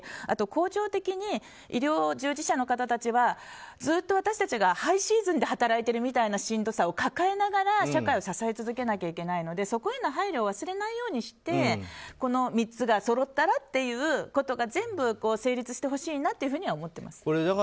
あと恒常的に医療従事者の方たちはずっと私たちがハイシーズンで働いているみたいなしんどさを抱えながら社会を支え続けなければいけないのでそこへの配慮を忘れないようにしてこの３つがそろったらということが全部成立してほしいなと思っています。